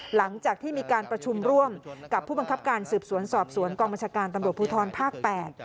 หลังจากที่มีการประชุมร่วมกับผู้บังคับการสืบสวนสอบสวนกองบัญชาการตำรวจภูทรภาค๘